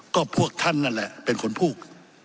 ก็พวกท่านนั่นแหละเป็นคนพูด